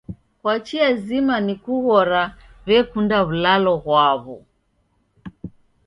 Kwa chia zima ni kughora, w'ekunda w'ulalo ghwaw'o.